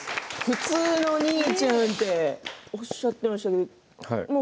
普通の兄ちゃんっておっしゃっていましたけれども。